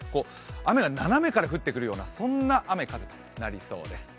雨が斜めから降ってくるような雨になりそうです。